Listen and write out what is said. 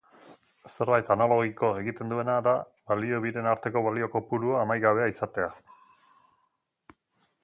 Zerbait analogiko egiten duena da balio biren arteko balio kopurua amaigabea izatea